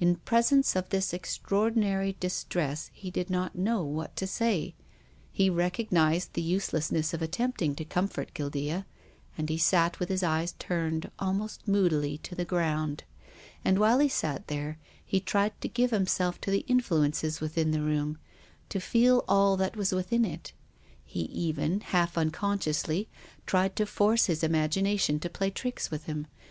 In pres ence of this extraordinary distress he did not know what to say. He recognised the useless ness of attempting to comfort Guildea, and he sat with his eyes turned, almost moodily, to the ground. And while he sat there he tried to give himself to the influences within the room, to feel all that was within it. He even, half unconsci ously, tried to force his imagination to play tricks with him.